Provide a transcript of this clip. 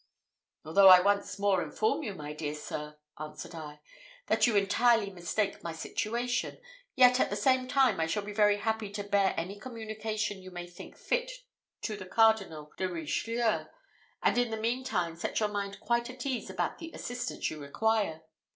"Although I once more inform you, my dear sir," answered I, "that you entirely mistake my situation, yet at the same time, I shall be very happy to bear any communication you may think fit to the Cardinal de Richelieu, and in the meantime set your mind quite at ease about the assistance you require.